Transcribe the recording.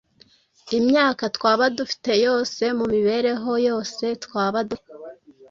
Imyaka twaba dufite yose, mu mibereho yose twaba dufite,